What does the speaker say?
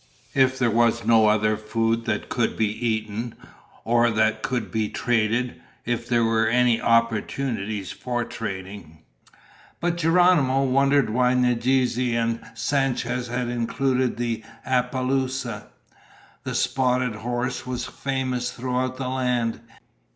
If there was no other food they could be eaten, or they could be traded if there were any opportunities for trading. But Geronimo wondered why Nadeze and Sanchez had included the apaloosa. The spotted horse was famous throughout the land.